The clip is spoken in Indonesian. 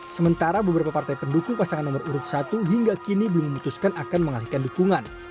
sementara beberapa partai pendukung pasangan nomor urut satu hingga kini belum memutuskan akan mengalihkan dukungan